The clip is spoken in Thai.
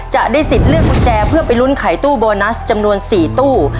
จะได้สิทธิ์เลือกกุญแจเพื่อไปลุ้นไขตู้โบนัสจำนวน๔ตู้